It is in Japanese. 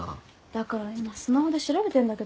だから今スマホで調べてんだけどさ。